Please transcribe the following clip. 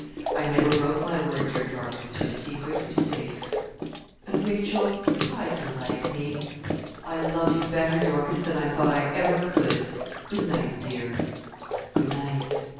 'I never broke my word, dear Dorcas; your secret is safe.' 'And, Rachel, try to like me.' 'I love you better, Dorcas, than I thought I ever could. Good night, dear.' 'Good night.'